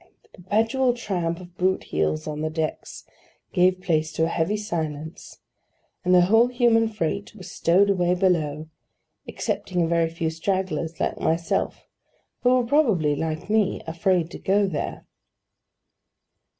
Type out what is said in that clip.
The perpetual tramp of boot heels on the decks gave place to a heavy silence, and the whole human freight was stowed away below, excepting a very few stragglers, like myself, who were probably, like me, afraid to go there.